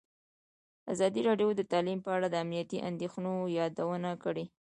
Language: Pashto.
ازادي راډیو د تعلیم په اړه د امنیتي اندېښنو یادونه کړې.